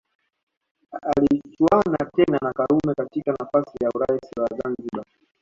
Alichuana tena na Karume katika nafasi ya urais wa Zanzibari